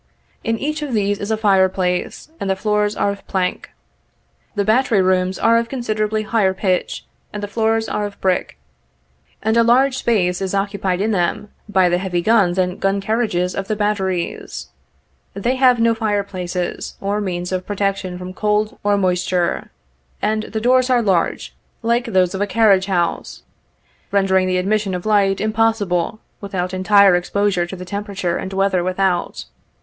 In each of these is a fire place, and the floors are of plank. The battery rooms are of considerably higher pitch, and the floors are of brick, and a large space is occupied in them by the heavy guns and gun carriages of the batteries. They have no fire places or means of protection from cold or moisture, and the doors are large, like those of a carriage house, rendering the admission of light impossible without entire exposure to the temperature and weather without.